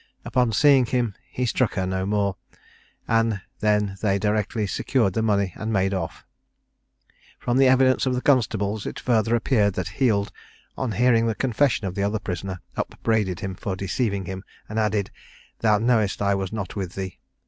Upon seeing him, he struck her no more, and then they directly secured the money and made off. From the evidence of the constables it further appeared that Heald, on hearing the confession of the other prisoner, upbraided him for deceiving him, and added, "Thou knowest I was not with thee."